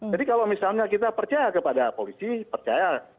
jadi kalau misalnya kita percaya kepada polisi percaya